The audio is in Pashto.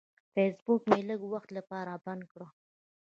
فیسبوک مې لږ وخت لپاره بند کړ.